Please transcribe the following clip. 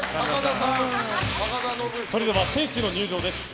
それでは選手の入場です。